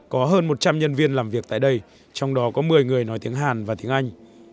có hơn một trăm linh nhân viên làm việc tại đây trong đó có một mươi người nói tiếng hàn và tiếng anh